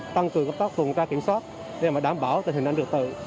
tăng cường tập trung tra kiểm soát để đảm bảo tình hình an ninh trật tự